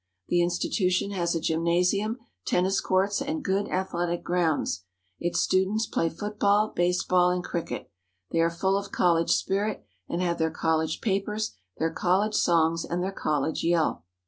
The institution has a gymnasium, tennis courts, and good athletic grounds. Its students play football, baseball, and cricket. They are full of college spirit and have their college papers, their college songs, and their college yell.